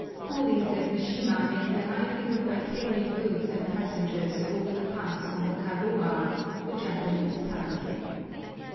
Coolies at Mishima make their livelihood by carrying goods and passengers over the pass on kagoa (the Japanese palanquin).